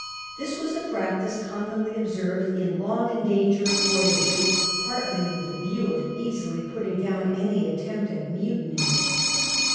This was a practice commonly observed in long and dangerous voyages, partly with the view of easily putting down any attempt at mutiny.